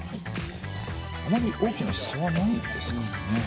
あまり大きな差はないですかね。